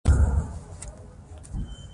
منی د افغانستان د ملي هویت نښه ده.